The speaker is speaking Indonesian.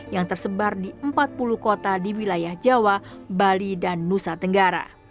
yang tersebar di empat puluh kota di wilayah jawa bali dan nusa tenggara